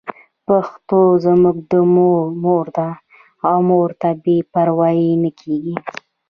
پښتو زموږ مور ده او مور ته بې پروايي نه کېږي.